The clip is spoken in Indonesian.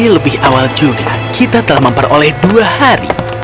lebih awal juga kita telah memperoleh dua hari